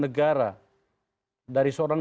negara dari seorang